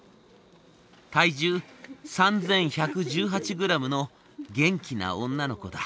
体重３，１１８グラムの元気な女の子だ。